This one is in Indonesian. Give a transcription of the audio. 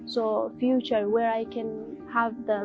seperti yang anda sebutkan masa depannya